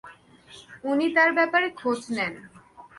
উনি তার ব্যাপারে খোঁজ নেন।